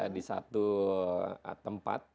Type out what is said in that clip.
di satu tempat